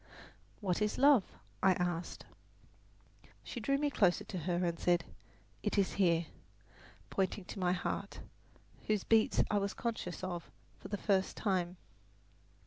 "What is love?" I asked. She drew me closer to her and said, "It is here," pointing to my heart, whose beats I was conscious of for the first time.